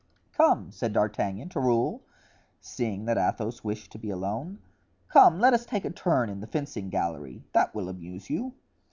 "Come," said D'Artagnan to Raoul, seeing that Athos wished to be alone, "come, let us take a turn in the fencing gallery; that will amuse you."